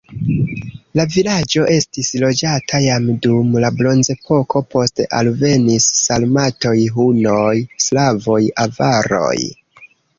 La vilaĝo estis loĝata jam dum la bronzepoko, poste alvenis sarmatoj, hunoj, slavoj, avaroj.